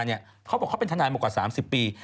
เขาบอกเขาเป็นทนายมากว่า๓๐ปี